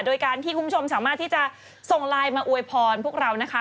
โดยการที่คุณผู้ชมสามารถที่จะส่งไลน์มาอวยพรพวกเรานะคะ